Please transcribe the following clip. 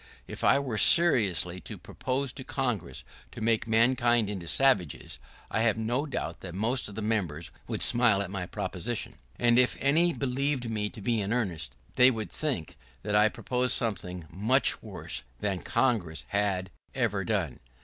If I were seriously to propose to Congress to make mankind into sausages, I have no doubt that most of the members would smile at my proposition, and if any believed me to be in earnest, they would think that I proposed something much worse than Congress had ever done.